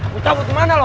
mau cabut kemana lo